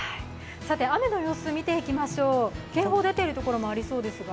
雨の様子見ていきましょう、警報出ているところもありそうですが。